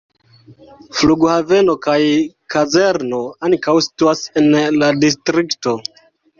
Flughaveno kaj kazerno ankaŭ situas en la distrikto.